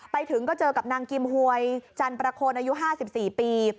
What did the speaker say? ไปถึงก็เจอกับนางกิมหวยจันประโคนอายุ๕๔ปี